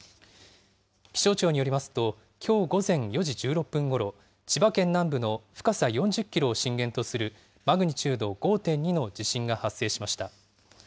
気象庁によりますと、きょう午前４時１６分ごろ、千葉県南部の深さ４０キロを震源とするマグニチュード５．２の地震が発生しました。